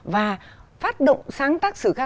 và phát động sáng tác sử ca